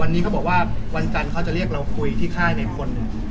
วันนี้เขาบอกว่าวันจันทร์เขาจะเรียกเราคุยที่ค่ายไหนคนหนึ่ง